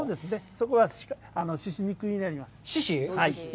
そこは、しし肉になります。